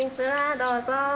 どうぞ。